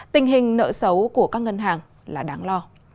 tình hình nợ xấu của các ngân hàng là đáng lo